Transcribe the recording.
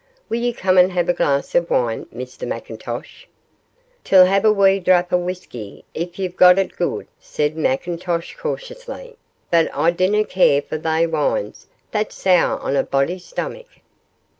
'Will you come and have a glass of wine, Mr McIntosh?' 'Til hae a wee drappy o' whusky if ye've got it gude,' said McIntosh, cautiously, 'but I dinna care for they wines that sour on a body's stomach.